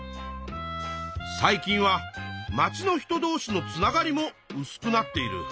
最近はまちの人どうしのつながりもうすくなっている。